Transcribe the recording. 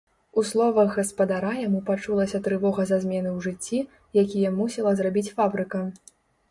У словах гаспадара яму пачулася трывога за змены ў жыцці, якія мусіла зрабіць фабрыка.